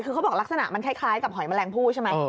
คือเขาบอกลักษณะมันคล้ายกับหอยแมลงผู้ใช่ไหม